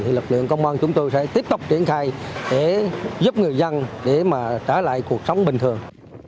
thì lực lượng công an chúng tôi sẽ tiếp tục triển khai để giúp người dân để mà trả lại cuộc sống bình thường